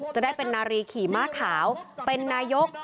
จะได้เป็นนารีขี่ม้าขาวเป็นนายก